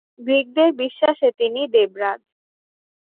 গ্রিকদের বিশ্বাসে তিনি দেবরাজ।